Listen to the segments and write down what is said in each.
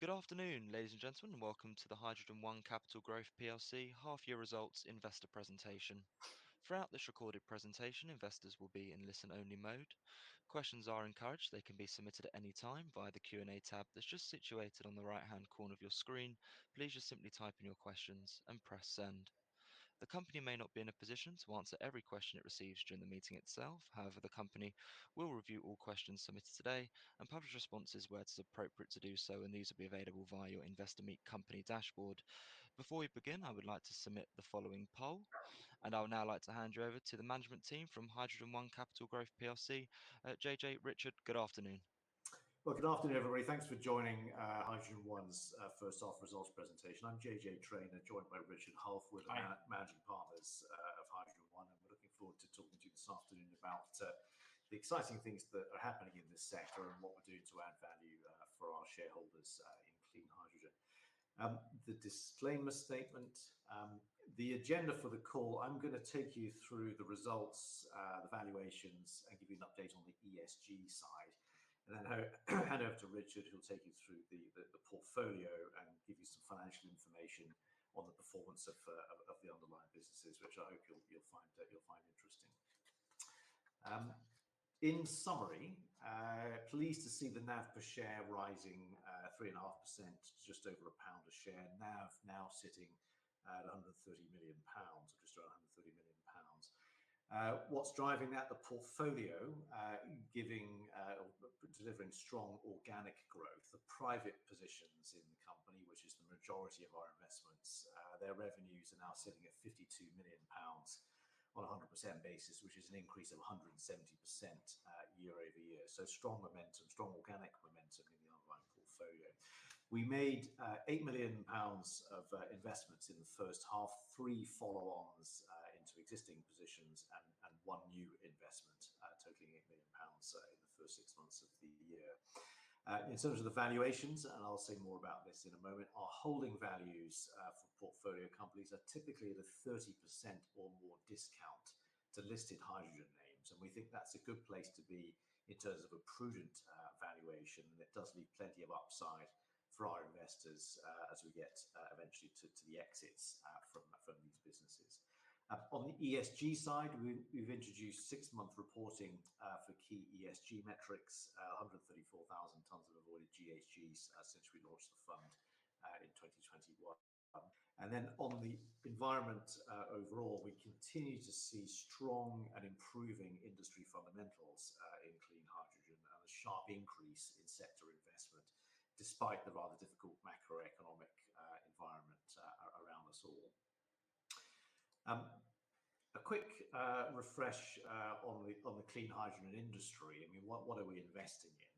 Good afternoon, ladies and gentlemen, and welcome to the HydrogenOne Capital Growth plc half-year results investor presentation. Throughout this recorded presentation, investors will be in listen-only mode. Questions are encouraged. They can be submitted at any time via the Q&A tab that's just situated on the right-hand corner of your screen. Please just simply type in your questions and press send. The company may not be in a position to answer every question it receives during the meeting itself. However, the company will review all questions submitted today and publish responses where it is appropriate to do so, and these will be available via your Investor Meet company dashboard. Before we begin, I would like to submit the following poll, and I would now like to hand you over to the management team from HydrogenOne Capital Growth plc. JJ, Richard, good afternoon. Well, good afternoon, everybody. Thanks for joining, HydrogenOne's first half results presentation. I'm J.J. Traynor, joined by Richard Hulf. Hi... Managing Partners of HydrogenOne, and we're looking forward to talking to you this afternoon about the exciting things that are happening in this sector and what we're doing to add value for our shareholders in clean hydrogen. The disclaimer statement. The agenda for the call, I'm gonna take you through the results, the valuations, and give you an update on the ESG side. And then hand over to Richard, who'll take you through the portfolio and give you some financial information on the performance of the underlying businesses, which I hope you'll find interesting. In summary, pleased to see the NAV per share rising 3.5%, just over GBP 1 a share. NAV now sitting at 130 million pounds, just around 130 million pounds. What's driving that? The portfolio, giving, delivering strong organic growth. The private positions in the company, which is the majority of our investments, their revenues are now sitting at 52 million pounds on a 100% basis, which is an increase of 170%, year-over-year. So strong momentum, strong organic momentum in the underlying portfolio. We made 8 million pounds of investments in the first half, three follow-ons into existing positions and one new investment, totaling 8 million pounds in the first six months of the year. In terms of the valuations, and I'll say more about this in a moment, our holding values for portfolio companies are typically at a 30% or more discount to listed hydrogen names, and we think that's a good place to be in terms of a prudent valuation. It does leave plenty of upside for our investors as we get eventually to the exits from these businesses. On the ESG side, we've introduced six-month reporting for key ESG metrics, 134,000 tons of avoided GHGs since we launched the fund in 2021. And then on the environment overall, we continue to see strong and improving industry fundamentals in clean hydrogen and a sharp increase in sector investment, despite the rather difficult macroeconomic environment around us all. A quick refresh on the clean hydrogen industry. I mean, what are we investing in?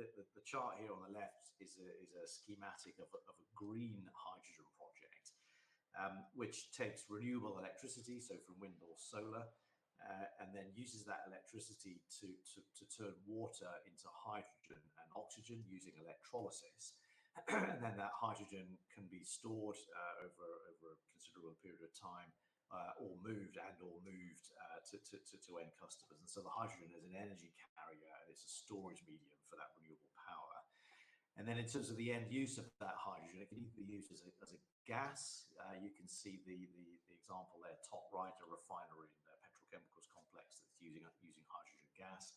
The chart here on the left is a schematic of a green hydrogen project, which takes renewable electricity, so from wind or solar, and then uses that electricity to turn water into hydrogen and oxygen using electrolysis. That hydrogen can be stored over a considerable period of time, or moved, and/or moved to end customers. The hydrogen is an energy carrier, and it's a storage medium for that renewable power. In terms of the end use of that hydrogen, it can either be used as a gas. You can see the example there, top right, a refinery, the petrochemicals complex that's using hydrogen gas,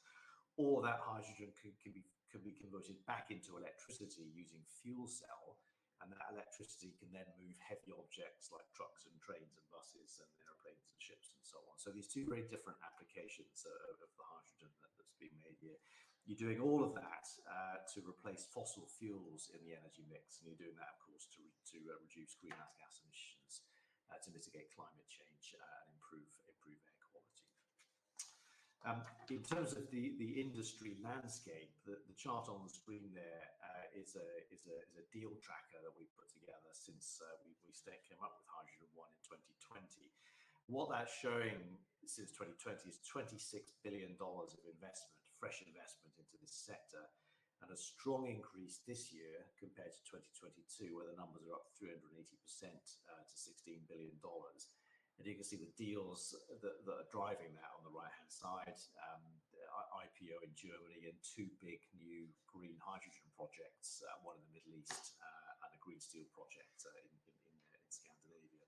or that hydrogen can be converted back into electricity using fuel cell, and that electricity can then move heavy objects like trucks and trains and buses and airplanes and ships and so on. So these two very different applications of the hydrogen that's being made here. You're doing all of that to replace fossil fuels in the energy mix, and you're doing that, of course, to reduce greenhouse gas emissions, to mitigate climate change, and improve air quality. In terms of the industry landscape, the chart on the screen there is a deal tracker that we've put together since we came up with HydrogenOne in 2020. What that's showing since 2020 is $26 billion of investment, fresh investment into this sector, and a strong increase this year compared to 2022, where the numbers are up 380%, to $16 billion. And you can see the deals that are driving that on the right-hand side. IPO in Germany and two big new green hydrogen projects, one in the Middle East, and a green steel project in Scandinavia.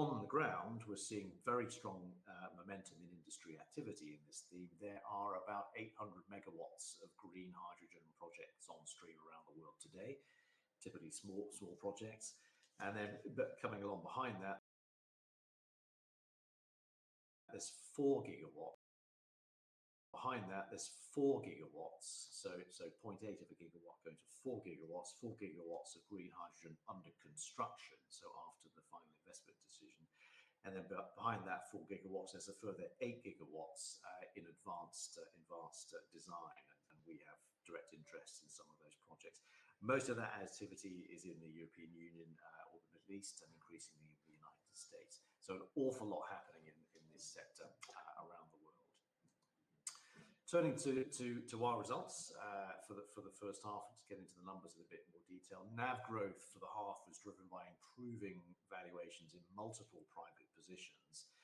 On the ground, we're seeing very strong momentum in industry activity in this theme. There are about 800 MW of green hydrogen projects on stream around the world today, typically small projects. And then, but coming along behind that... There's 4 GW. Behind that, there's 4 GW, so point eight of a gigawatt going to 4 GW. Four gigawatts of green hydrogen under construction, after the final investment decision, and then behind that 4 gigawatts, there's a further 8 gigawatts in advanced design, and we have direct interests in some of those projects. Most of that activity is in the European Union or the Middle East, and increasingly the United States. An awful lot is happening in this sector around the world. Turning to our results for the first half, to get into the numbers in a bit more detail. NAV growth for the half was driven by improving valuations in multiple private positions,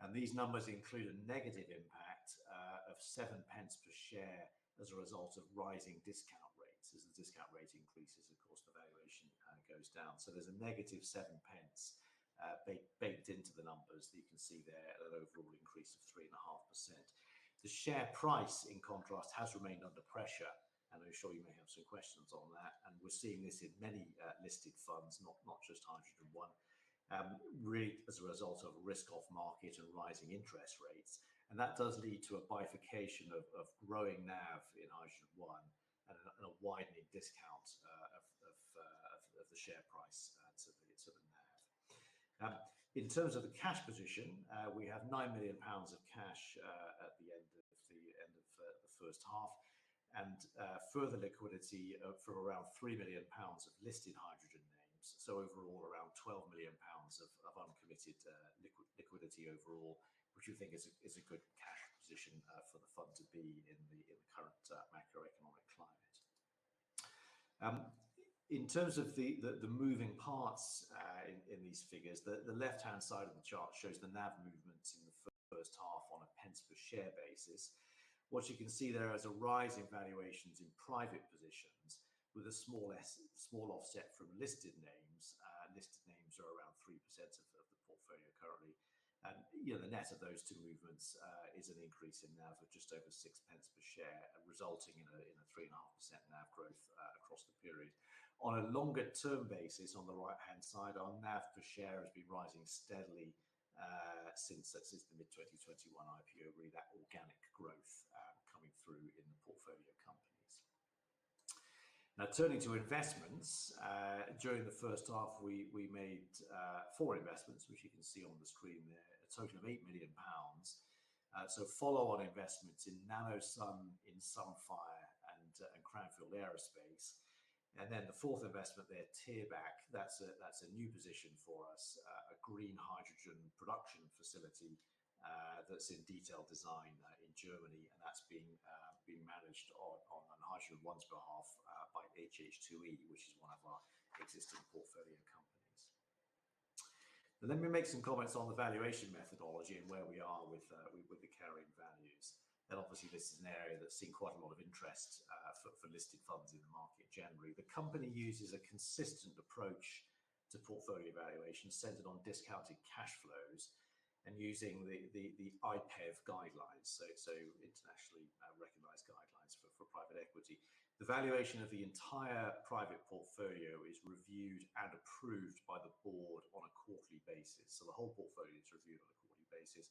and these numbers include a negative impact of 7 pence per share as a result of rising discount rates. As the discount rate increases, of course, the valuation goes down. There's a negative 7 pence baked into the numbers that you can see there, at an overall increase of 3.5%. The share price, in contrast, has remained under pressure, and I'm sure you may have some questions on that, and we're seeing this in many listed funds, not just HydrogenOne. Really as a result of risk-off market and rising interest rates, and that does lead to a bifurcation of growing NAV in HydrogenOne and a widening discount of the share price, so it's of the NAV. In terms of the cash position, we have 9 million pounds of cash at the end of the first half, and further liquidity from around 3 million pounds of listed hydrogen names. Overall, around 12 million pounds of uncommitted liquidity overall, which we think is a good cash position for the fund to be in the current macroeconomic climate. In terms of the moving parts in these figures, the left-hand side of the chart shows the NAV movements in the first half on a pence per share basis. What you can see there is a rise in valuations in private positions, with a small offset from listed names. Listed names are around 3% of the portfolio currently. You know, the net of those two movements is an increase in NAV of just over 6 pence per share, resulting in a 3.5% NAV growth across the period. On a longer-term basis, on the right-hand side, our NAV per share has been rising steadily since the mid-2021 IPO. Really, that organic growth coming through in the portfolio companies. Now, turning to investments. During the first half, we made four investments, which you can see on the screen there, a total of 8 million pounds. So follow-on investments in NanoSun, in Sunfire, and Cranfield Aerospace. And then the fourth investment there, Thierbach, that's a new position for us. A green hydrogen production facility that's in detailed design in Germany, and that's being managed on HydrogenOne's behalf by HH2E, which is one of our existing portfolio companies. Let me make some comments on the valuation methodology and where we are with the carrying values. This is an area that's seen quite a lot of interest, for listed funds in the market generally. The company uses a consistent approach to portfolio valuation, centered on discounted cash flows and using the IPEV guidelines, so internationally recognized guidelines for private equity. The valuation of the entire private portfolio is reviewed and approved by the board on a quarterly basis. The whole portfolio is reviewed on a quarterly basis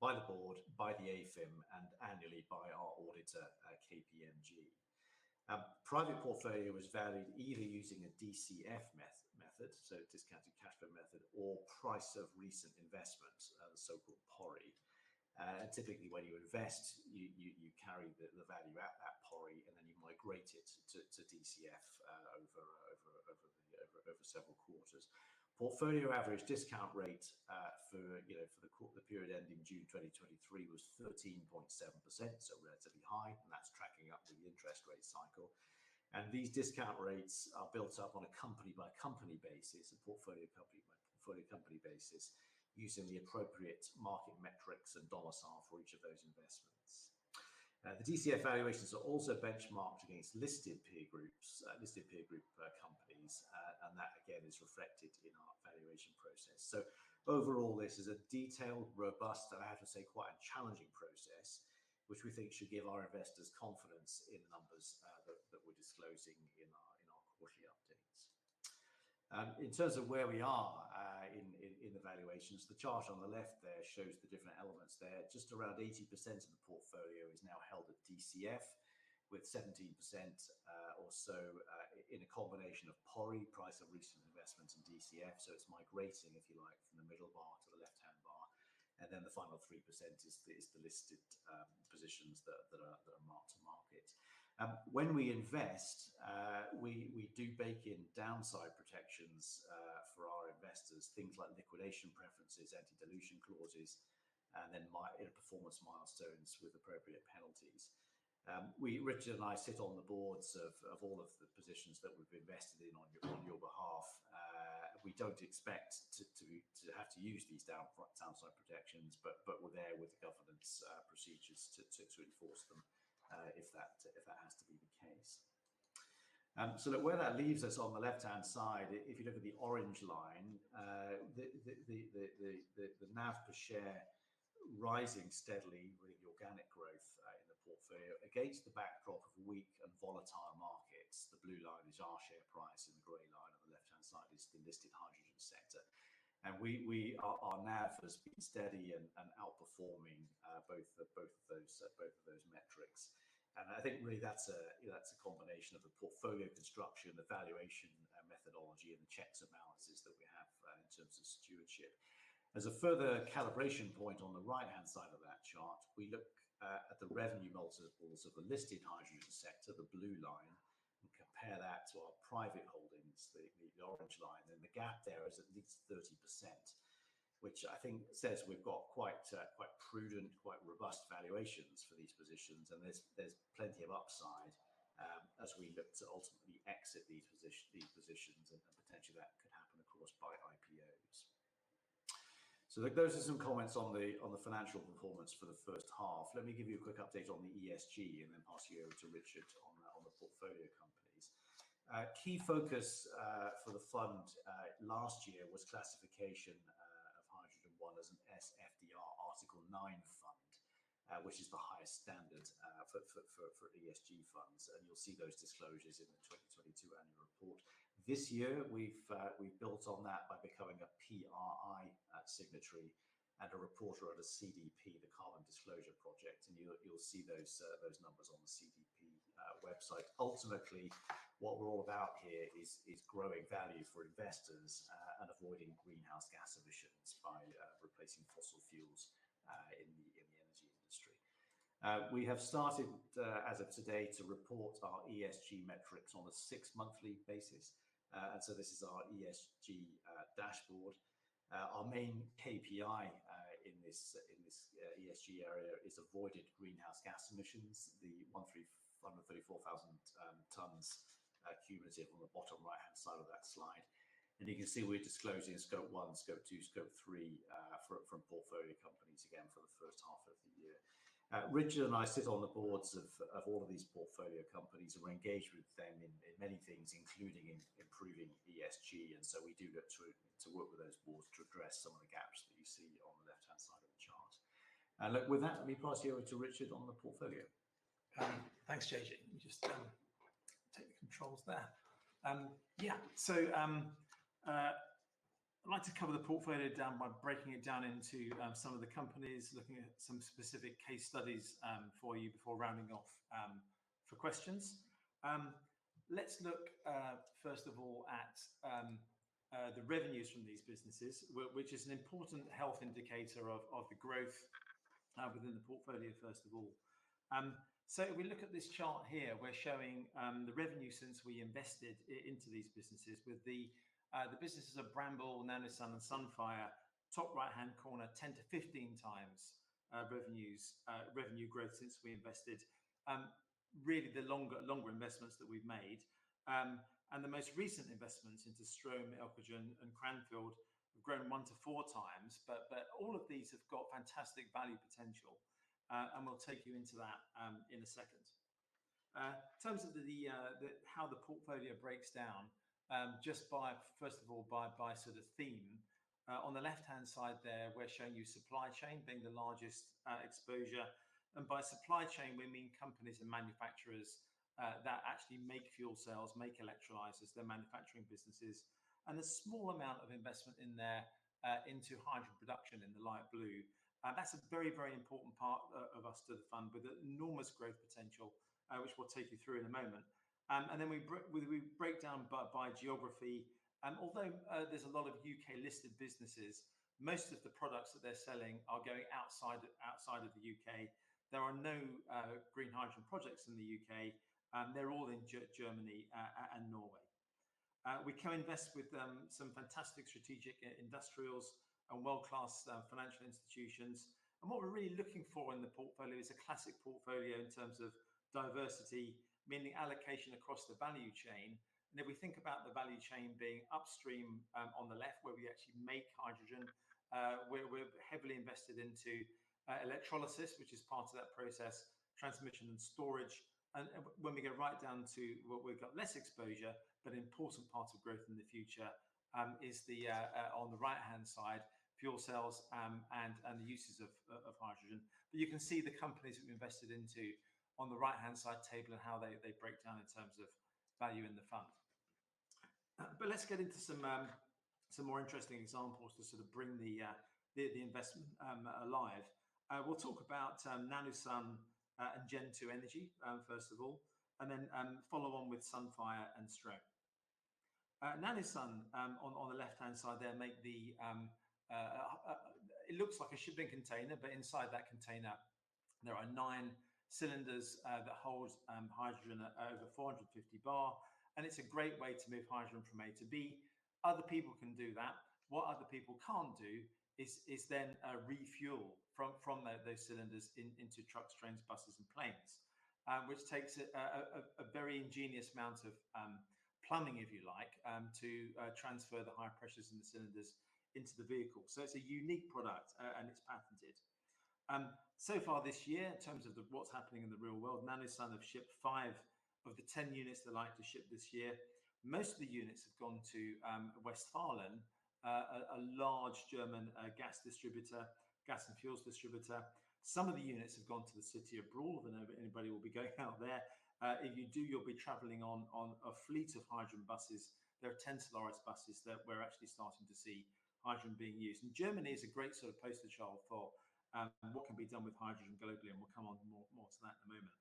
by the board, by the AIFM, and annually by our auditor, KPMG. Private portfolio is valued either using a DCF method, so discounted cash flow method, or price of recent investment, the so-called PORI. And typically, when you invest, you carry the value at that PORI, and then you migrate it to DCF over several quarters. Portfolio average discount rate, you know, for the period ending June 2023, was 13.7%, so relatively high, and that's tracking up to the interest rate cycle. And these discount rates are built up on a company-by-company basis, a portfolio company by portfolio company basis, using the appropriate market metrics and domicile for each of those investments. The DCF valuations are also benchmarked against listed peer groups, listed peer group companies, and that again is reflected in our valuation process. So overall, this is a detailed, robust, and I have to say, quite a challenging process, which we think should give our investors confidence in the numbers that we're disclosing in our quarterly updates. In terms of where we are in the valuations, the chart on the left there shows the different elements there. Just around 80% of the portfolio is now held at DCF, with 17%, or so, in a combination of PORI, price of recent investments in DCF, so it's migrating, if you like, from the middle bar to the left-hand bar. And then the final 3% is the listed positions that are mark-to-market. When we invest, we do bake in downside protections for our investors. Things like liquidation preferences, anti-dilution clauses, and then performance milestones with appropriate penalties. We, Richard and I sit on the boards of all of the positions that we've invested in on your behalf. We don't expect to have to use these downside protections, but we're there with the governance procedures to enforce them if that has to be the case. So that where that leaves us on the left-hand side, if you look at the orange line, the NAV per share rising steadily with organic growth in the portfolio, against the backdrop of weak and volatile markets. The blue line is our share price, and the gray line on the left-hand side is the listed hydrogen sector. Our NAV has been steady and outperforming both of those metrics. I think really that's a combination of the portfolio construction, the valuation methodology, and the checks and balances that we have in terms of stewardship. As a further calibration point on the right-hand side of that chart, we look at the revenue multiples of the listed hydrogen sector, the blue line, and compare that to our private holdings, orange line, and the gap there is at least 30%, which I think says we've got quite prudent, quite robust valuations for these positions, and there's plenty of upside as we look to ultimately exit these positions, and potentially that could happen, of course, by IPOs. So look, those are some comments on the financial performance for the first half. Let me give you a quick update on the ESG and then pass you over to Richard on the portfolio companies. Key focus for the fund last year was classification of HydrogenOne as an SFDR Article 9 fund, which is the highest standard for ESG funds, and you'll see those disclosures in the 2022 annual report. This year, we've built on that by becoming a PRI signatory and a reporter at a CDP, the Carbon Disclosure Project, and you'll see those numbers on the CDP website. Ultimately, what we're all about here is growing value for investors, and avoiding greenhouse gas emissions by replacing fossil fuels in the energy industry. We have started, as of today, to report our ESG metrics on a six-monthly basis. And so this is our ESG dashboard. Our main KPI in this ESG area is avoided greenhouse gas emissions, 134,000 tonnes cumulative on the bottom right-hand side of that slide. And you can see we're disclosing Scope 1, Scope 2, Scope 3 from portfolio companies, again, for the first half of the year. Richard and I sit on the boards of all of these portfolio companies, and we're engaged with them in many things, including in improving ESG, and so we do get to work with those boards to address some of the gaps that you see on the left-hand side of the chart. Look, with that, let me pass you over to Richard on the portfolio. Thanks, JJ. Let me just take the controls there. Yeah, so I'd like to cover the portfolio down by breaking it down into some of the companies, looking at some specific case studies for you before rounding off for questions. Let's look first of all at the revenues from these businesses, which is an important health indicator of the growth within the portfolio, first of all. So if we look at this chart here, we're showing the revenue since we invested into these businesses with the businesses of Bramble, NanoSun and Sunfire. Top right-hand corner, 10-15 times revenues, revenue growth since we invested. Really, the longer, longer investments that we've made, and the most recent investments into Strohm, Elcogen and Cranfield have grown 1x-4x. But, but all of these have got fantastic value potential, and we'll take you into that, in a second. In terms of the, how the portfolio breaks down, just by, first of all, by sort of theme. On the left-hand side there, we're showing you supply chain being the largest, exposure. And by supply chain, we mean companies and manufacturers, that actually make fuel cells, make electrolyzers, they're manufacturing businesses. And a small amount of investment in there, into hydrogen production in the light blue. That's a very, very important part, of us to the fund, with enormous growth potential, which we'll take you through in a moment. And then we break down by geography, and although there's a lot of UK-listed businesses, most of the products that they're selling are going outside of the UK. There are no green hydrogen projects in the UK, they're all in Germany and Norway. We co-invest with some fantastic strategic industrials and world-class financial institutions. And what we're really looking for in the portfolio is a classic portfolio in terms of diversity, meaning allocation across the value chain. And if we think about the value chain being upstream on the left, where we actually make hydrogen, we're heavily invested into electrolysis, which is part of that process, transmission and storage. When we go right down to what we've got less exposure, but an important part of growth in the future, is the, on the right-hand side, fuel cells, and the uses of hydrogen. You can see the companies that we invested into on the right-hand side table and how they break down in terms of value in the fund. Let's get into some more interesting examples to sort of bring the investment alive. We'll talk about NanoSun and Gen2 Energy, first of all, and then follow on with Sunfire and Strohm. NanoSun, on the left-hand side there, make the... It looks like a shipping container, but inside that container, there are nine cylinders that hold hydrogen at over 450 bar, and it's a great way to move hydrogen from A to B. Other people can do that. What other people can't do is then refuel from those cylinders into trucks, trains, buses and planes. Which takes a very ingenious amount of plumbing, if you like, to transfer the high pressures in the cylinders into the vehicle. So it's a unique product, and it's patented. So far this year, in terms of what's happening in the real world, NanoSun have shipped five of the 10 units they'd like to ship this year. Most of the units have gone to Westfalen, a large German gas distributor, gas and fuels distributor. Some of the units have gone to the city of Bremen. I don't know if anybody will be going out there. If you do, you'll be traveling on a fleet of hydrogen buses. There are 10 Solaris buses that we're actually starting to see hydrogen being used. And Germany is a great sort of poster child for what can be done with hydrogen globally, and we'll come on more to that in a moment.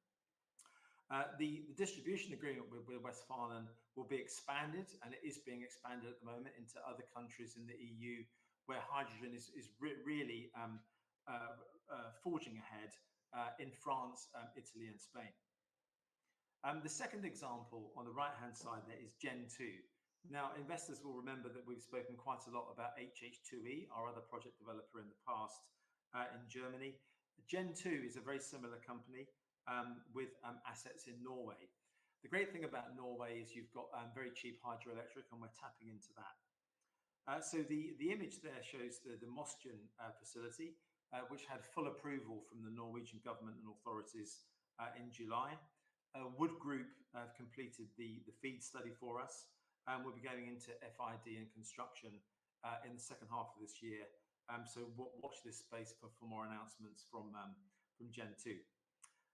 The distribution agreement with Westfalen will be expanded, and it is being expanded at the moment into other countries in the EU, where hydrogen is really forging ahead in France, Italy and Spain. The second example on the right-hand side there is Gen2. Now, investors will remember that we've spoken quite a lot about HH2E, our other project developer in the past, in Germany. Gen2 is a very similar company, with assets in Norway. The great thing about Norway is you've got very cheap hydroelectric, and we're tapping into that. So the image there shows the Mosjøen facility, which had full approval from the Norwegian government and authorities in July. Wood completed the FEED study for us, and we'll be going into FID and construction in the second half of this year. So watch this space for more announcements from Gen2.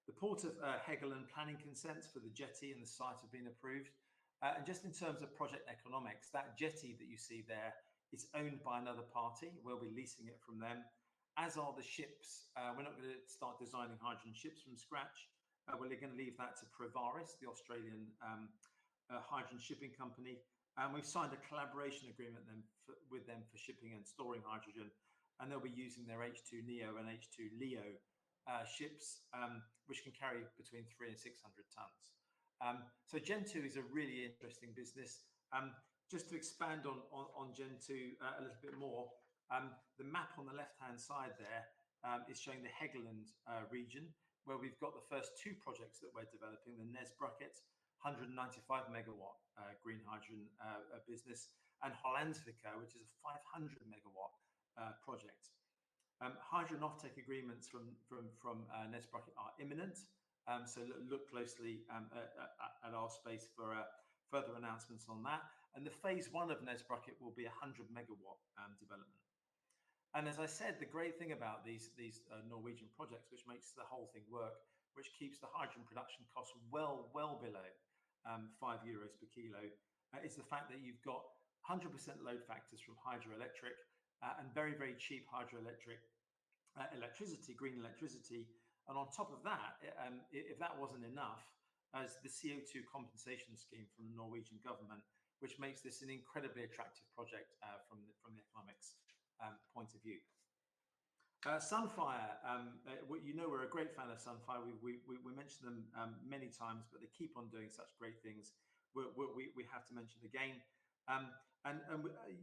The Port of Helgeland planning consents for the jetty and the site have been approved. And just in terms of project economics, that jetty that you see there is owned by another party. We'll be leasing it from them. As are the ships, we're not gonna start designing hydrogen ships from scratch. We're gonna leave that to Provaris, the Australian hydrogen shipping company, and we've signed a collaboration agreement with them for shipping and storing hydrogen, and they'll be using their H2Neo and H2Leo ships, which can carry between 300 and 600 tons. So Gen2 is a really interesting business. Just to expand on Gen2 a little bit more, the map on the left-hand side there is showing the Helgeland region, where we've got the first two projects that we're developing, the Nesbruket 195-megawatt green hydrogen business, and Holandsvika, which is a 500-megawatt project. Hydrogen offtake agreements from Nesbruket are imminent, so look closely at our space for further announcements on that. The phase one of Nesbruket will be a 100-megawatt development. As I said, the great thing about these Norwegian projects, which makes the whole thing work, which keeps the hydrogen production cost well below 5 euros per kilo, is the fact that you've got 100% load factors from hydroelectric and very, very cheap hydroelectric electricity, green electricity. If that wasn't enough, there's the CO2 compensation scheme from the Norwegian government, which makes this an incredibly attractive project from the economics point of view. Sunfire, well, you know we're a great fan of Sunfire. We, we mentioned them many times, but they keep on doing such great things. We have to mention them again.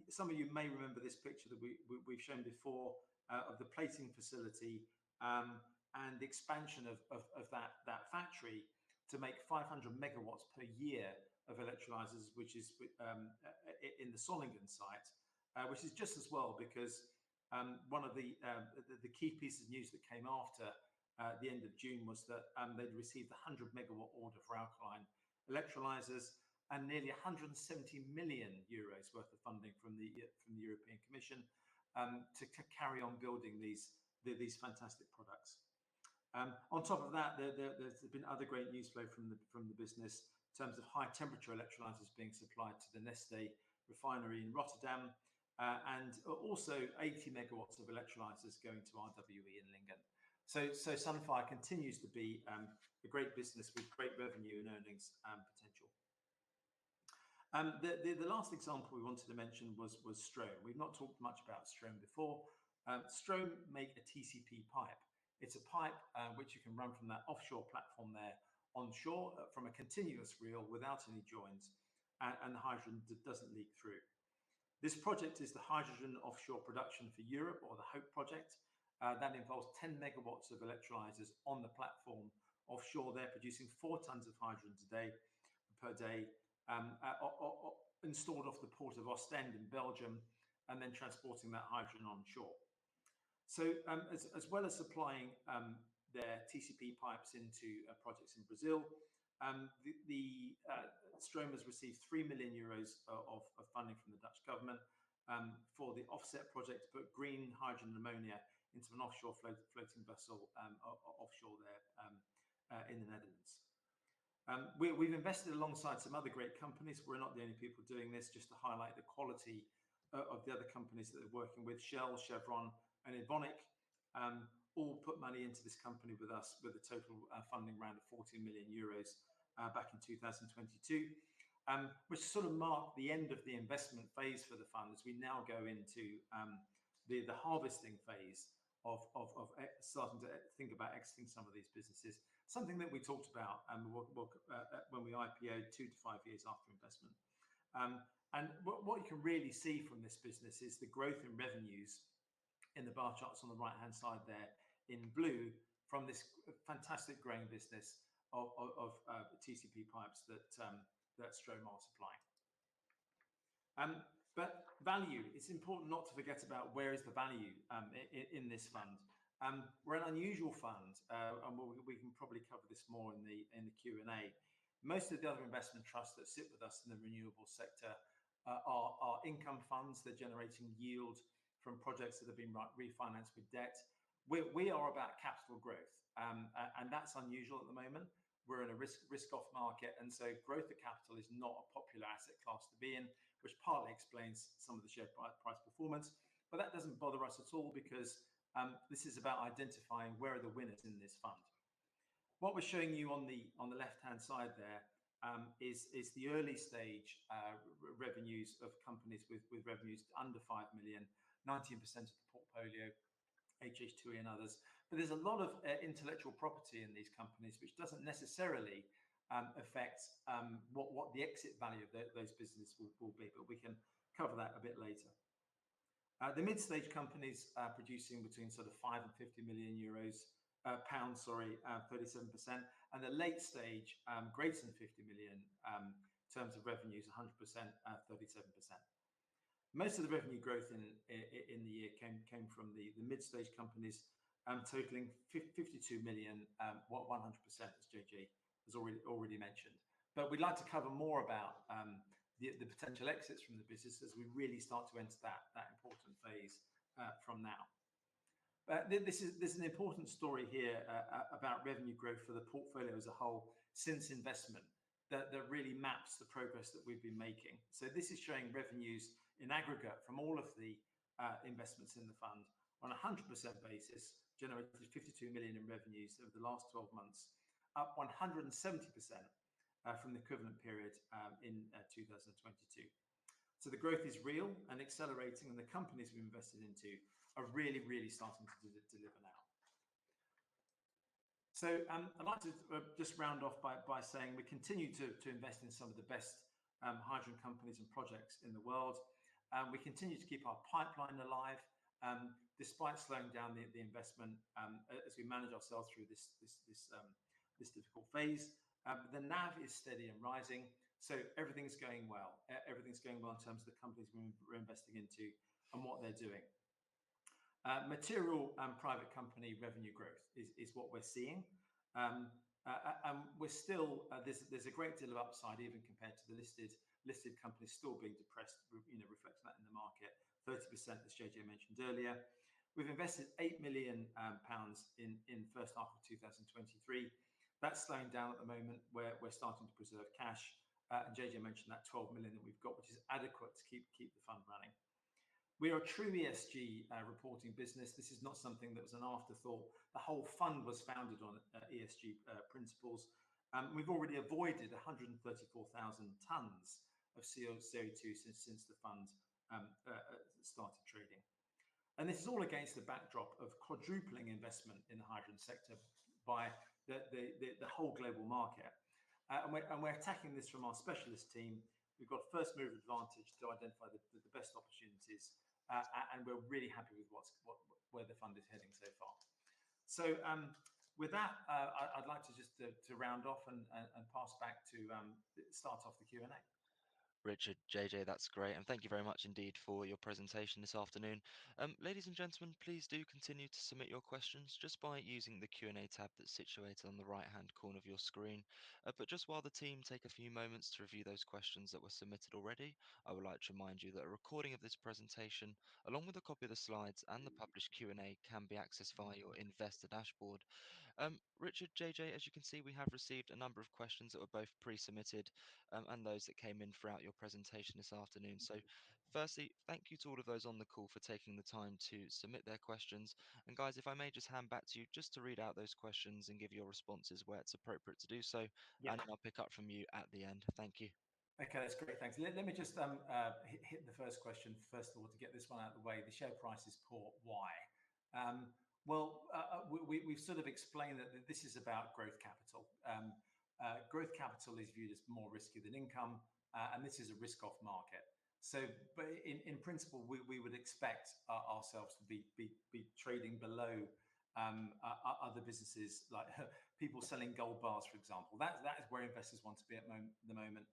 Some of you may remember this picture that we, we've shown before, of the plating facility, and the expansion of that factory to make 500 MW per year of electrolyzers, which is in the Solingen site. Which is just as well, because one of the key pieces of news that came after the end of June was that they'd received a 100 MW order for alkaline electrolyzers and nearly 170 million euros worth of funding from the European Commission, to carry on building these fantastic products. On top of that, there's been other great news flow from the business in terms of high temperature electrolyzers being supplied to the Neste Refinery in Rotterdam, and also 80 megawatts of electrolyzers going to RWE in Lingen. So Sunfire continues to be a great business with great revenue and earnings potential. The last example we wanted to mention was Strohm. We've not talked much about Strohm before. Strohm make a TCP pipe. It's a pipe, which you can run from that offshore platform there, onshore, from a continuous reel without any joins, and the hydrogen doesn't leak through. This project is the Hydrogen Offshore Production for Europe, or the HOPE project, that involves 10 megawatts of electrolyzers on the platform offshore there, producing four tons of hydrogen per day, o- o- and stored off the port of Ostend in Belgium, and then transporting that hydrogen onshore. As well as supplying their TCP pipes into projects in Brazil, the, the, Strohm has received 3 million euros of funding from the Dutch government for the OFFSET project to put green hydrogen ammonia into an offshore floating vessel offshore there in the Netherlands. We've invested alongside some other great companies. We're not the only people doing this, just to highlight the quality of the other companies that we're working with. Shell, Chevron and Evonik all put money into this company with us, with a total funding round of 40 million euros back in 2022, which sort of marked the end of the investment phase for the fund, as we now go into the harvesting phase of starting to think about exiting some of these businesses. Something that we talked about when we IPO'd two to five years after investment. What you can really see from this business is the growth in revenues in the bar charts on the right-hand side there in blue, from this fantastic growing business of TCP pipes that Strohm are supplying. Value, it's important not to forget about where is the value in this fund. We're an unusual fund, and we can probably cover this more in the Q&A. Most of the other investment trusts that sit with us in the renewables sector are income funds. They're generating yield from projects that have been refinanced with debt. We are about capital growth, and that's unusual at the moment. We're in a risk, risk-off market, and growth of capital is not a popular asset class to be in, which partly explains some of the share price performance. That doesn't bother us at all because this is about identifying where are the winners in this fund. What we're showing you on the left-hand side there is the early stage revenues of companies with revenues under 5 million, 19% of the portfolio, HH2E and others. There's a lot of intellectual property in these companies, which doesn't necessarily affect what the exit value of those businesses will be, but we can cover that a bit later. The mid-stage companies are producing between GBP 5 million-GBP 50 million, 37%, and the late stage, greater than 50 million in terms of revenues, 100%, 37%. Most of the revenue growth in the year came from the mid-stage companies, totaling 52 million, 100%, as JJ has already mentioned. We'd like to cover more about the potential exits from the business as we really start to enter that important phase from now. This is-- there's an important story here about revenue growth for the portfolio as a whole since investment, that really maps the progress that we've been making. This is showing revenues in aggregate from all of the investments in the fund. On a 100% basis, generated 52 million in revenues over the last 12 months, up 170% from the equivalent period in 2022. The growth is real and accelerating, and the companies we've invested into are really, really starting to deliver now. I'd like to just round off by saying we continue to invest in some of the best hydrogen companies and projects in the world. We continue to keep our pipeline alive, despite slowing down the investment as we manage ourselves through this difficult phase. The NAV is steady and rising, so everything's going well. Everything's going well in terms of the companies we're investing into and what they're doing. Material and private company revenue growth is what we're seeing. And we're still... there's a great deal of upside even compared to the listed companies still being depressed, reflecting that in the market, 30%, as JJ mentioned earlier. We've invested 8 million pounds in the first half of 2023. That's slowing down at the moment, we're starting to preserve cash. JJ mentioned that 12 million that we've got, which is adequate to keep the fund running. We are a true ESG reporting business. This is not something that was an afterthought. The whole fund was founded on ESG principles, and we've already avoided 134,000 tons of CO2 since the fund started trading. This is all against the backdrop of quadrupling investment in the hydrogen sector by the whole global market. We're attacking this from our specialist team. We've got first-mover advantage to identify the best opportunities, and we're really happy with where the fund is heading so far. With that, I'd like to just round off and pass back to start off the Q&A. Richard, JJ, that's great, and thank you very much indeed for your presentation this afternoon. Ladies and gentlemen, please do continue to submit your questions just by using the Q&A tab that's situated on the right-hand corner of your screen. While the team take a few moments to review those questions that were submitted already, I would like to remind you that a recording of this presentation, along with a copy of the slides and the published Q&A, can be accessed via your investor dashboard. Richard, JJ, as you can see, we have received a number of questions that were both pre-submitted and those that came in throughout your presentation this afternoon. Firstly, thank you to all of those on the call for taking the time to submit their questions. Guys, if I may just hand back to you, just to read out those questions and give your responses where it's appropriate to do so. Yeah. And then I'll pick up from you at the end. Thank you. Okay, that's great. Thanks. Let me just hit the first question first of all, to get this one out of the way. The share price is poor. Why? We've sort of explained that this is about growth capital. Growth capital is viewed as more risky than income, and this is a risk-off market. So but in principle, we would expect ourselves to be trading below other businesses, like people selling gold bars, for example. That is where investors want to be at the moment.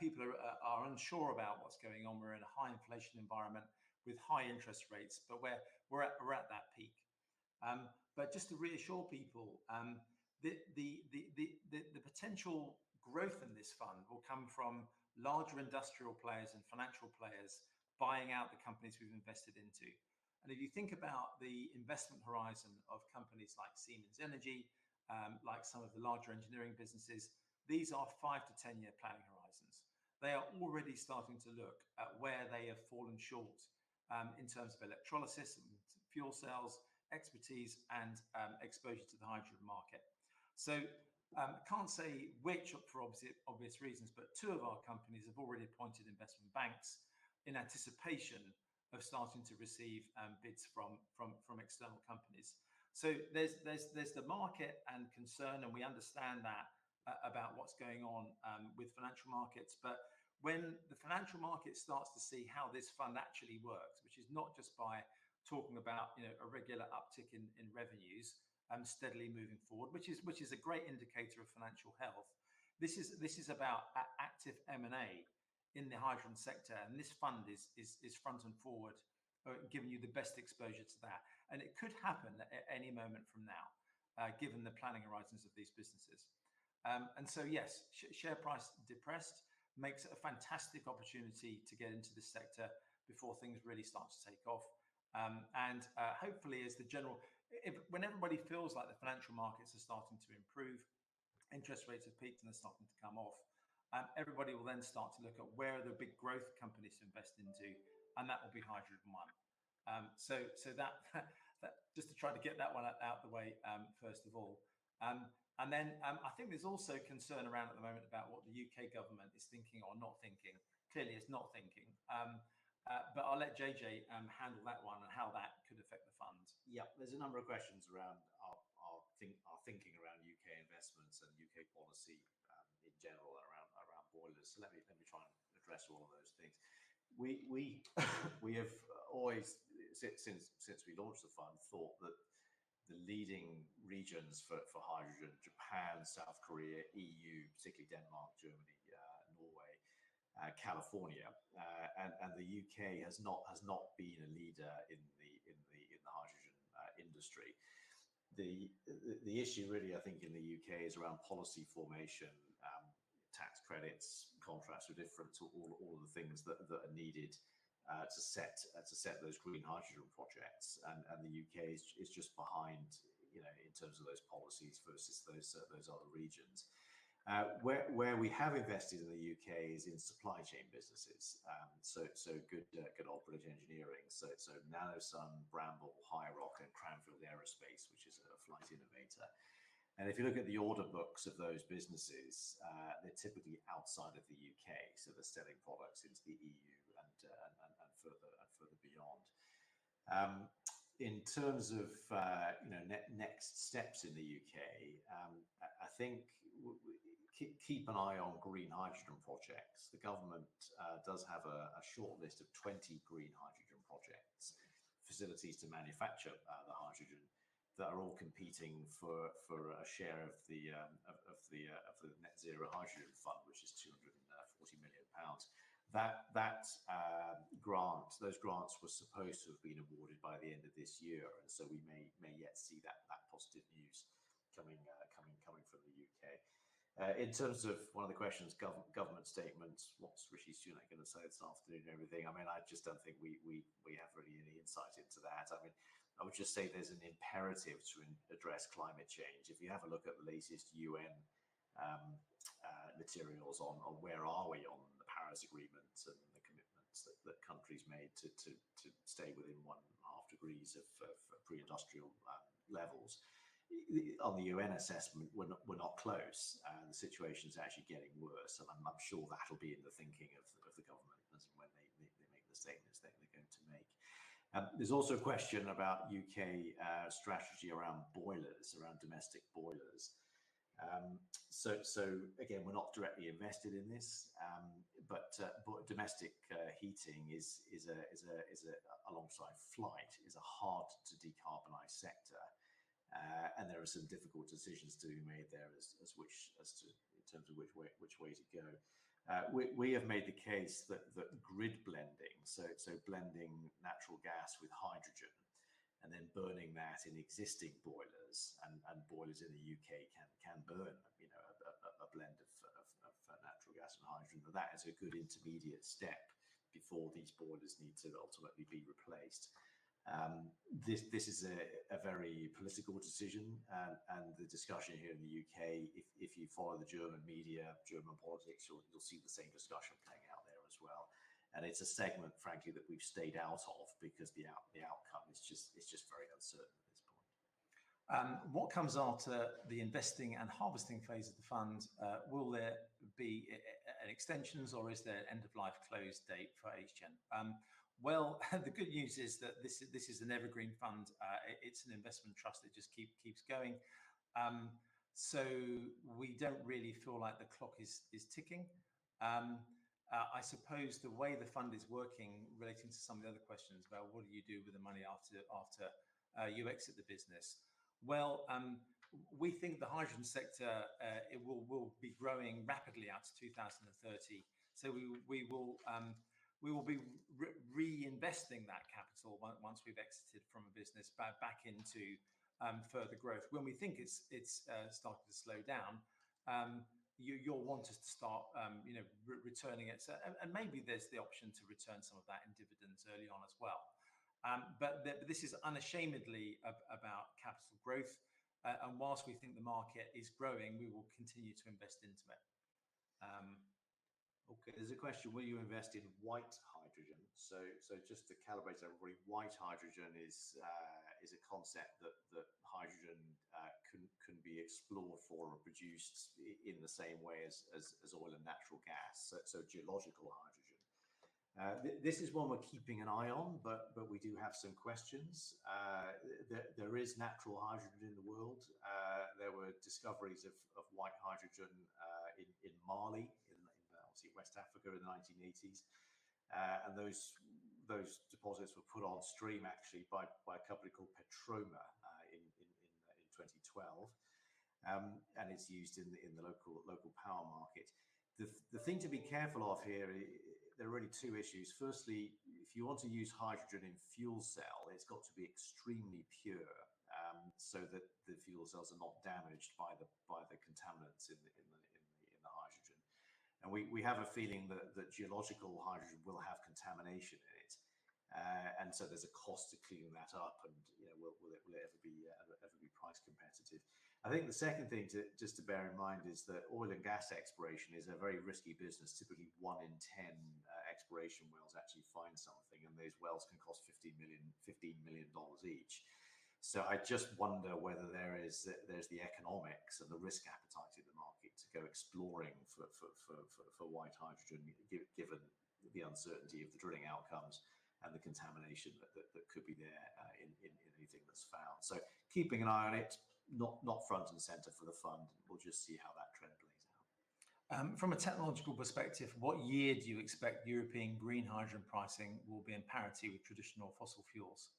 People are unsure about what's going on. We're in a high inflation environment with high interest rates, but we're at that peak. But just to reassure people, the potential growth in this fund will come from larger industrial players and financial players buying out the companies we've invested into. And if you think about the investment horizon of companies like Siemens Energy, like some of the larger engineering businesses, these are 5- to 10-year planning horizons. They are already starting to look at where they have fallen short, in terms of electrolysis and fuel cells, expertise, and exposure to the hydrogen market. So, can't say which, for obvious reasons, but two of our companies have already appointed investment banks in anticipation of starting to receive bids from external companies. So there's the market and concern, and we understand that, about what's going on with financial markets. When the financial market starts to see how this fund actually works, which is not just by talking about, you know, a regular uptick in revenues, steadily moving forward, which is a great indicator of financial health. This is about active M&A in the hydrogen sector, and this fund is front and forward, giving you the best exposure to that. It could happen at any moment from now, given the planning horizons of these businesses. Yes, share price depressed makes a fantastic opportunity to get into this sector before things really start to take off. Hopefully, as the general... If when everybody feels like the financial markets are starting to improve, interest rates have peaked and are starting to come off, everybody will then start to look at where are the big growth companies to invest into, and that will be HydrogenOne.... so that just to try to get that one out the way, first of all. And then, I think there's also concern around at the moment about what the U.K. government is thinking or not thinking. Clearly, it's not thinking. But I'll let JJ handle that one and how that could affect the fund. Yeah. There's a number of questions around our thinking around U.K. investments and U.K. policy, in general, around boilers. So let me try and address all of those things. We have always, since we launched the fund, thought that the leading regions for hydrogen: Japan, South Korea, EU, particularly Denmark, Germany, Norway, California, and the UK has not been a leader in the hydrogen industry. The issue really, I think, in the UK, is around policy formation, tax credits, contracts are different to all of the things that are needed to set those green hydrogen projects. The UK is just behind, you know, in terms of those policies versus those other regions. Where we have invested in the UK is in supply chain businesses. So good old British engineering. So NanoSun, Bramble, HiiROC, and Cranfield Aerospace, which is a flight innovator. And if you look at the order books of those businesses, they're typically outside of the UK, so they're selling products into the EU and further beyond. In terms of, you know, next steps in the UK, I think keep an eye on green hydrogen projects. The government does have a short list of 20 green hydrogen projects, facilities to manufacture the hydrogen, that are all competing for a share of the Net Zero Hydrogen Fund, which is 240 million pounds. That, that, those grants were supposed to have been awarded by the end of this year, and we may, may yet see that positive news coming, coming from the U.K. In terms of one of the questions, government statements, what's Rishi Sunak gonna say this afternoon and everything? I mean, I just don't think we have really any insight into that. I mean, I would just say there's an imperative to address climate change. If you have a look at the latest U.N. materials on where are we on the Paris Agreement and the commitments that countries made to stay within 1.5 degrees of pre-industrial levels, the... On the U.N. assessment, we're not, we're not close, and the situation's actually getting worse, and I'm sure that'll be in the thinking of the, of the government as when they, they make the statements that they're going to make. There's also a question about U.K. strategy around boilers, around domestic boilers. So, so again, we're not directly invested in this, but, but domestic heating is a hard-to-decarbonize sector, alongside flight. And there are some difficult decisions to be made there as to which way to go. We have made the case that grid blending, so blending natural gas with hydrogen and then burning that in existing boilers, and boilers in the UK can burn, you know, a blend of natural gas and hydrogen, that is a good intermediate step before these boilers need to ultimately be replaced. This is a very political decision, and the discussion here in the UK, if you follow the German media, German politics, you'll see the same discussion playing out there as well. And it's a segment, frankly, that we've stayed out of because the outcome is just very uncertain at this point. What comes after the investing and harvesting phase of the fund? Will there be an extension, or is there an end-of-life close date for HN? Well, the good news is that this is an evergreen fund. It's an investment trust that just keeps going. So we don't really feel like the clock is ticking. I suppose the way the fund is working, relating to some of the other questions about what do you do with the money after you exit the business? Well, we think the hydrogen sector will be growing rapidly out to 2030. So we will be reinvesting that capital once we've exited from a business back into further growth. When we think it's starting to slow down, you'll want us to start, you know, returning it. So, and maybe there's the option to return some of that in dividends early on as well. But this is unashamedly about capital growth, and while we think the market is growing, we will continue to invest into it. Okay, there's a question: Will you invest in white hydrogen? So just to calibrate everybody, white hydrogen is a concept that hydrogen can be explored for and produced in the same way as oil and natural gas, so geological hydrogen. This is one we're keeping an eye on, but we do have some questions. There is natural hydrogen in the world. There were discoveries of white hydrogen in Mali, in obviously West Africa in the 1980s. Those deposits were put on stream actually by a company called Petroma in 2012. It's used in the local power market. The thing to be careful of here, there are really two issues. Firstly, if you want to use hydrogen in fuel cell, it's got to be extremely pure, so that the fuel cells are not damaged by the contaminants in the hydrogen. We have a feeling that geological hydrogen will have contamination in it, and so there's a cost to cleaning that up and, you know, will it ever be price competitive? I think the second thing, just to bear in mind, is that oil and gas exploration is a very risky business, typically one in 10 exploration wells actually find something, and those wells can cost $50 million, $15 million each. So I just wonder whether there is, there's the economics and the risk appetite in the market to go exploring for white hydrogen, given the uncertainty of the drilling outcomes and the contamination that could be there in anything that's found. So keeping an eye on it, not front and center for the fund. We'll just see how that trend plays out. From a technological perspective, what year do you expect European green hydrogen pricing will be in parity with traditional fossil fuels?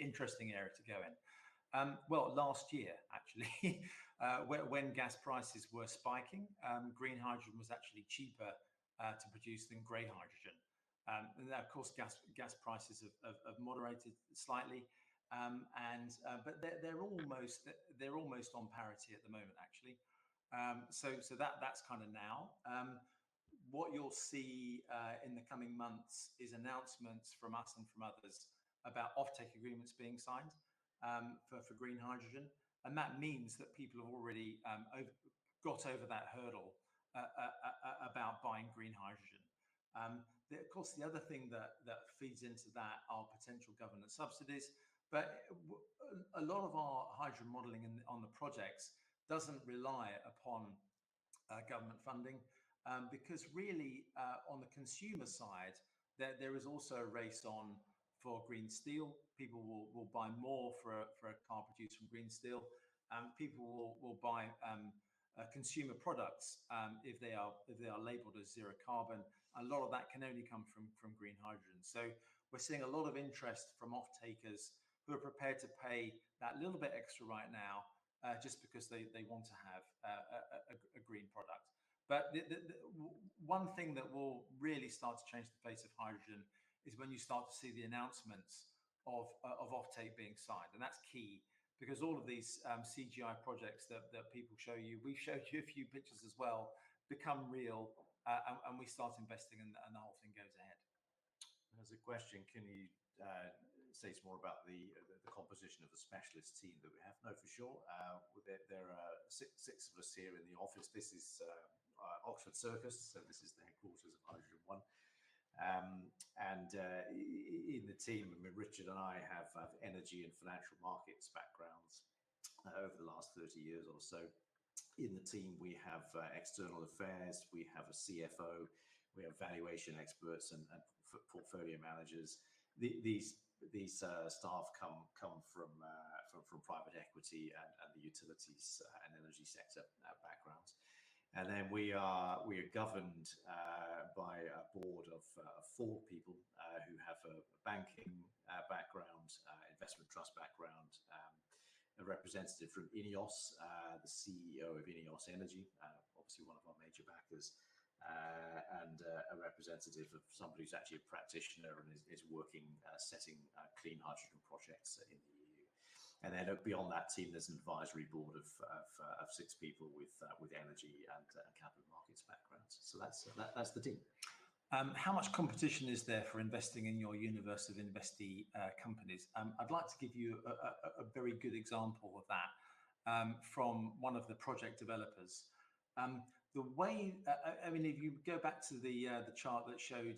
Interesting area to go in. Well, last year, actually, when gas prices were spiking, green hydrogen was actually cheaper to produce than grey hydrogen. And of course, gas prices have moderated slightly, and but they're almost on parity at the moment, actually. So that's kind of now. What you'll see in the coming months is announcements from us and from others about offtake agreements being signed for green hydrogen, and that means that people have already got over that hurdle about buying green hydrogen. Of course, the other thing that feeds into that are potential government subsidies, but a lot of our hydrogen modeling in the, on the projects doesn't rely upon government funding. Because really, on the consumer side, there is also a race on for green steel. People will buy more for a car produced from green steel, and people will buy consumer products if they are labeled as zero carbon. A lot of that can only come from green hydrogen. So we're seeing a lot of interest from offtakers who are prepared to pay that little bit extra right now, just because they want to have a green product. But the one thing that will really start to change the face of hydrogen is when you start to see the announcements of offtake being signed, and that's key because all of these CGI projects that people show you, we've showed you a few pictures as well, become real, and we start investing and the whole thing goes ahead. There's a question: Can you say some more about the composition of the specialist team that we have? No, for sure. There are six of us here in the office. This is Oxford Circus, so this is the headquarters of HydrogenOne. In the team, I mean, Richard and I have energy and financial markets backgrounds over the last 30 years or so. In the team, we have external affairs, we have a CFO, we have valuation experts and portfolio managers. These staff come from private equity and the utilities and energy sector backgrounds. We are governed by a board of four people who have a banking background, investment trust background, a representative from INEOS, the CEO of INEOS Energy, obviously one of our major backers, and a representative of somebody who's actually a practitioner and is working setting clean hydrogen projects in the EU. Beyond that team, there's an advisory board of six people with energy and capital markets backgrounds. So that's the team. How much competition is there for investing in your universe of investee companies? I'd like to give you a very good example of that from one of the project developers. The way... I mean, if you go back to the chart that showed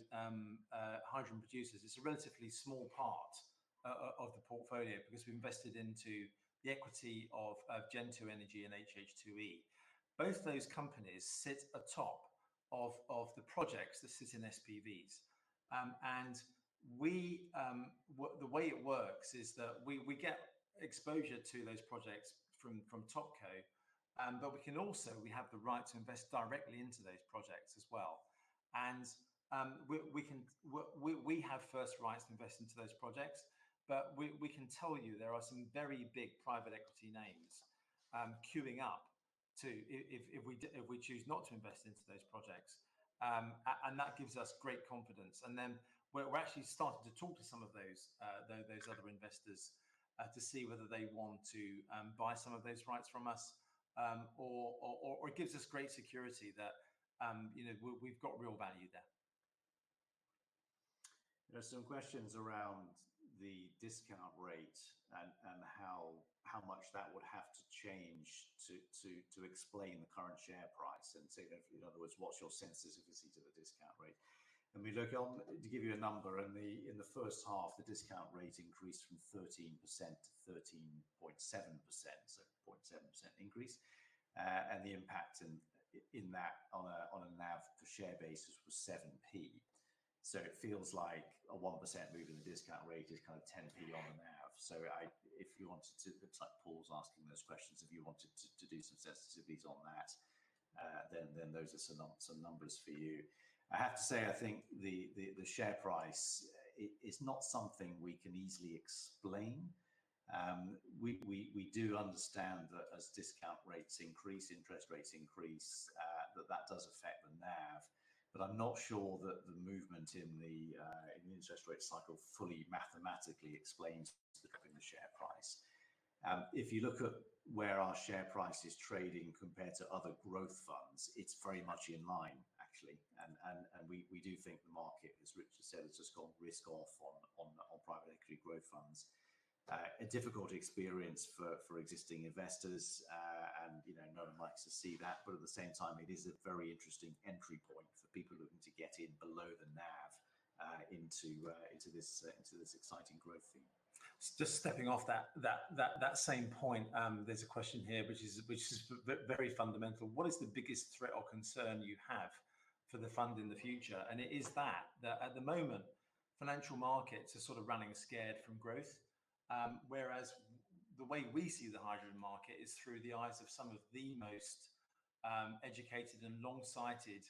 hydrogen producers, it's a relatively small part of the portfolio because we invested into the equity of Gen2 Energy and HH2E. Both those companies sit atop of the projects that sit in SPVs. And we, what-- the way it works is that we get exposure to those projects from TopCo, but we can also, we have the right to invest directly into those projects as well. And we can... We have first rights to invest into those projects, but we can tell you there are some very big private equity names queuing up to if we choose not to invest into those projects. And that gives us great confidence. And then we're actually starting to talk to some of those other investors to see whether they want to buy some of those rights from us, or it gives us great security that, you know, we've got real value there. There are some questions around the discount rate and how much that would have to change to explain the current share price. In other words, what's your sensitivity to the discount rate? I mean, look, to give you a number, in the first half, the discount rate increased from 13% to 13.7%, so 0.7% increase. The impact in that on a NAV per share basis was 7p. It feels like a 1% move in the discount rate is kind of 10p on the NAV. I... If you wanted to, it's like Paul's asking those questions, if you wanted to do some sensitivities on that, then those are some numbers for you. I have to say, I think the share price, it's not something we can easily explain. We do understand that as discount rates increase, interest rates increase, that does affect the NAV, but I'm not sure that the movement in the interest rate cycle fully mathematically explains the drop in the share price. If you look at where our share price is trading compared to other growth funds, it's very much in line, actually. We do think the market, as Richard said, has just gone risk-off on private equity growth funds. A difficult experience for existing investors, and you know, no one likes to see that, but at the same time, it is a very interesting entry point for people looking to get in below the nav, into this exciting growth theme. Just stepping off that same point, there's a question here, which is very fundamental: What is the biggest threat or concern you have for the fund in the future? And it is that at the moment, financial markets are sort of running scared from growth, whereas the way we see the hydrogen market is through the eyes of some of the most educated and long-sighted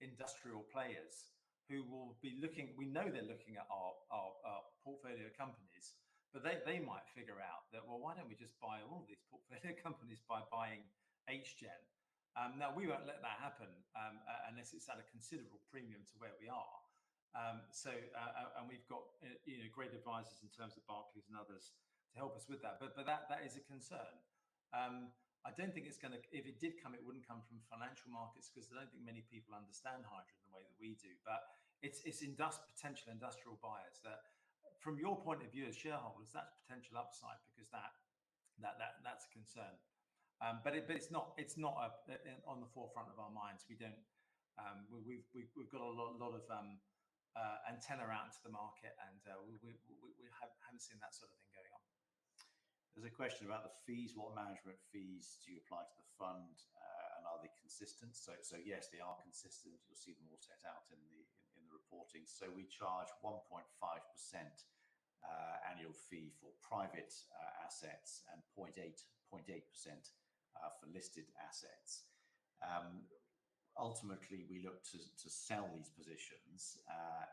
industrial players who will be looking, we know they're looking at our portfolio companies, but they might figure out that, "Well, why don't we just buy all of these portfolio companies by buying HGEN?" Now we won't let that happen, unless it's at a considerable premium to where we are. So, you know, great advisors in terms of Barclays and others to help us with that, but that is a concern. I don't think it's gonna... If it did come, it wouldn't come from financial markets, 'cause I don't think many people understand hydrogen the way that we do, but it's potential industrial buyers that from your point of view as shareholders, that's potential upside, because that, that's a concern. But it's not, it's not up on the forefront of our minds. We don't-- we've got a lot, lot of, you know, antenna out into the market, and we haven't seen that sort of thing going on. There's a question about the fees: What management fees do you apply to the fund, and are they consistent? So yes, they are consistent. You'll see them all set out in the reporting. So we charge 1.5% annual fee for private assets and 0.8% for listed assets. Ultimately, we look to sell these positions,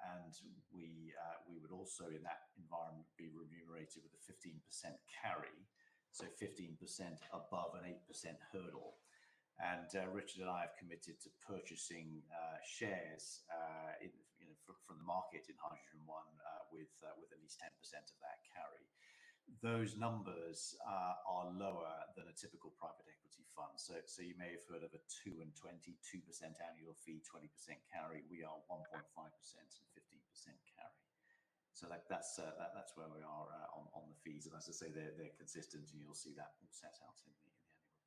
and we would also, in that environment, be remunerated with a 15% carry, so 15% above an 8% hurdle. And Richard and I have committed to purchasing shares, you know, from the market in HydrogenOne with at least 10% of that carry. Those numbers are lower than a typical private equity fund. So you may have heard of a 2 and 20, 2% annual fee, 20% carry. We are 1.5% and 15% carry. So that's where we are on the fees, and as I say, they're consistent, and you'll see that set out in the annual report.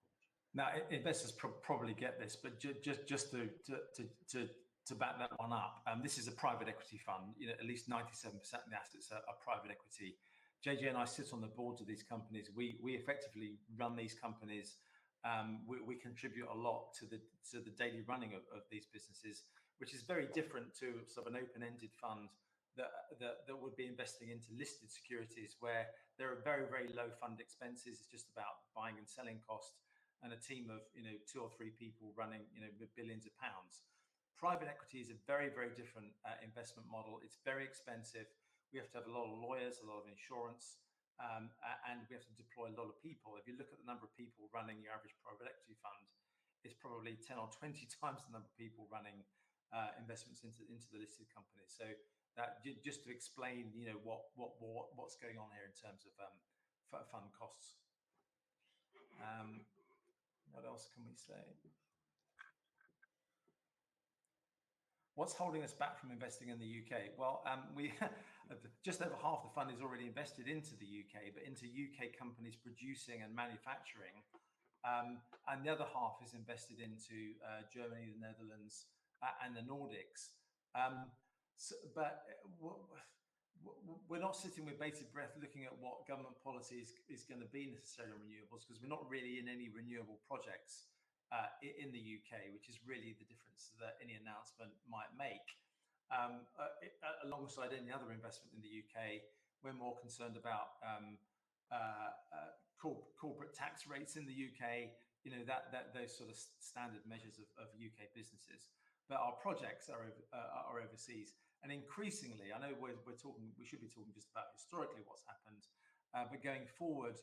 Now, investors probably get this, but just to back that one up, this is a private equity fund. You know, at least 97% of the assets are private equity. JJ and I sit on the boards of these companies. We effectively run these companies. We contribute a lot to the daily running of these businesses, which is very different to sort of an open-ended fund that would be investing into listed securities, where there are very low fund expenses. It's just about buying and selling costs and a team of two or three people running billions of pounds. Private equity is a very different investment model. It's very expensive. We have to have a lot of lawyers, a lot of insurance, and we have to deploy a lot of people. If you look at the number of people running your average private equity fund, it's probably 10 or 20 times the number of people running investments into the listed company. So that just to explain, you know, what's going on here in terms of fund costs. What else can we say? What's holding us back from investing in the UK? Well, we just over half the fund is already invested into the UK, but into UK companies producing and manufacturing. And the other half is invested into Germany, the Netherlands, and the Nordics. But we're not sitting with bated breath looking at what government policy is, is gonna be necessarily on renewables, because we're not really in any renewable projects, in the U.K., which is really the difference that any announcement might make. Alongside any other investment in the U.K., we're more concerned about, corporate tax rates in the U.K., you know, that, that, those sort of standard measures of, of U.K. businesses. But our projects are over, are overseas, and increasingly, I know we're, we're talking, we should be talking just about historically what's happened, but going forward,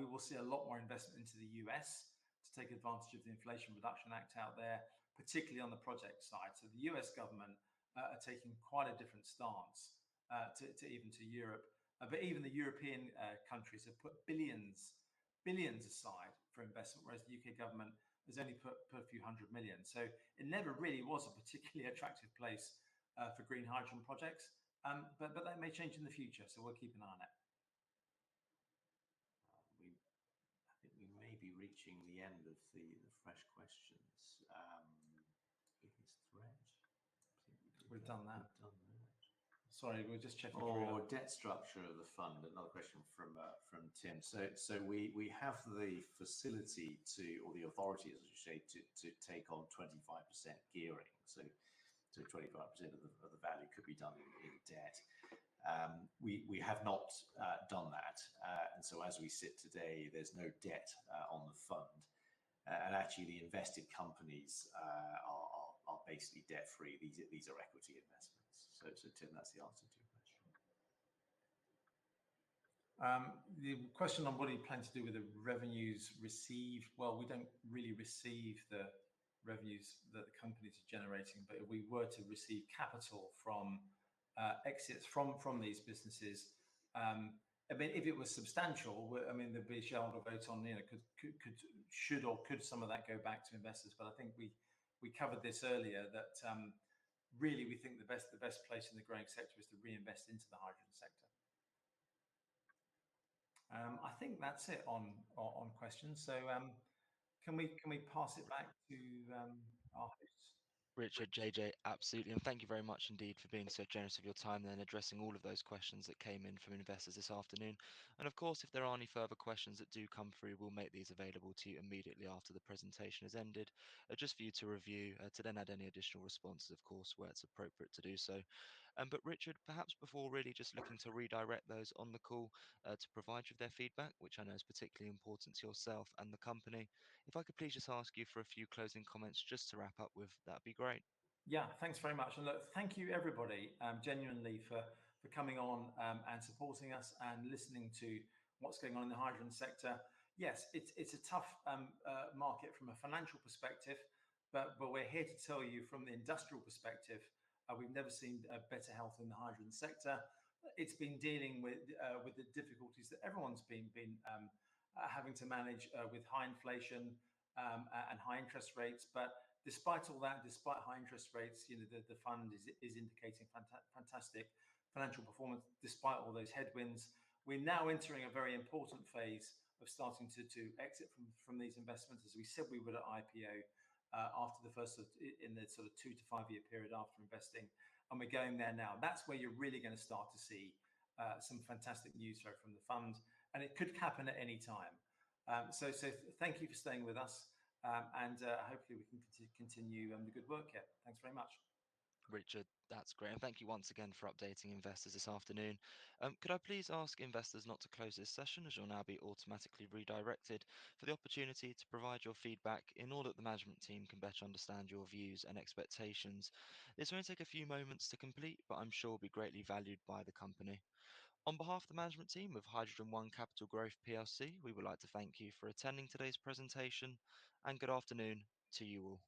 we will see a lot more investment into the U.S. to take advantage of the Inflation Reduction Act out there, particularly on the project side. So the US government are taking quite a different stance to even Europe. But even the European countries have put billions, billions aside for investment, whereas the UK government has only put GBP a few hundred million. So it never really was a particularly attractive place for green hydrogen projects. But that may change in the future, so we'll keep an eye on it. I think we may be reaching the end of the fresh questions. Biggest threat? We've done that. We've done that. Sorry, we're just checking through- Debt structure of the fund, another question from Tim. We have the facility to, or the authority, as we've said, to take on 25% gearing. So 25% of the value could be done in debt. We have not done that. As we sit today, there's no debt on the fund, and actually, the invested companies are basically debt-free. These are equity investments. Tim, that's the answer to your question. The question on what do you plan to do with the revenues received? Well, we don't really receive the revenues that the companies are generating, but if we were to receive capital from exits from these businesses, I mean, if it were substantial, well, I mean, there'd be shareholder votes on, you know, could—should or could some of that go back to investors? But I think we covered this earlier, that really, we think the best place in the growing sector is to reinvest into the hydrogen sector. I think that's it on questions. So, can we pass it back to our host? Richard, JJ, absolutely, and thank you very much indeed for being so generous with your time and addressing all of those questions that came in from investors this afternoon. And of course, if there are any further questions that do come through, we'll make these available to you immediately after the presentation has ended, just for you to review, to then add any additional responses, of course, where it's appropriate to do so. But Richard, perhaps before really just looking to redirect those on the call, to provide you with their feedback, which I know is particularly important to yourself and the company, if I could please just ask you for a few closing comments just to wrap up with, that'd be great. Yeah. Thanks very much. And look, thank you, everybody, genuinely for coming on and supporting us and listening to what's going on in the hydrogen sector. Yes, it's a tough market from a financial perspective, but we're here to tell you from the industrial perspective, we've never seen better health in the hydrogen sector. It's been dealing with the difficulties that everyone's been having to manage with high inflation and high interest rates. But despite all that, despite high interest rates, you know, the fund is indicating fantastic financial performance, despite all those headwinds. We're now entering a very important phase of starting to exit from these investments, as we said we would at IPO, after the first of—in the sort of 2-5 year period after investing, and we're going there now. That's where you're really gonna start to see some fantastic news flow from the fund, and it could happen at any time. Thank you for staying with us, and hopefully we can continue the good work here. Thanks very much. Richard, that's great, and thank you once again for updating investors this afternoon. Could I please ask investors not to close this session, as you'll now be automatically redirected, for the opportunity to provide your feedback in order that the management team can better understand your views and expectations. It's going to take a few moments to complete, but I'm sure will be greatly valued by the company. On behalf of the management team of HydrogenOne Capital Growth plc, we would like to thank you for attending today's presentation, and good afternoon to you all.